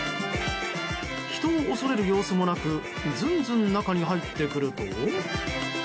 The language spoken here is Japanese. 人を恐れる様子もなくずんずん中に入ってくると。